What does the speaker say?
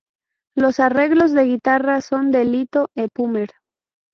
Los arreglos de guitarra son de Lito Epumer.